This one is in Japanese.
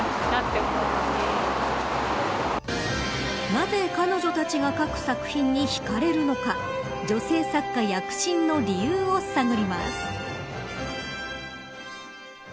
なぜ彼女たちが書く作品にひかれるのか女性作家躍進の理由を探ります。